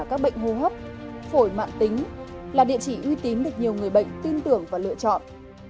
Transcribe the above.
các bệnh hô hấp phổi mạng tính là địa chỉ uy tín được nhiều người bệnh tin tưởng và lựa chọn